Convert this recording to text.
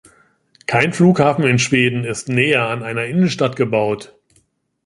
Kein Flughafen in Schweden ist näher an einer Innenstadt gebaut.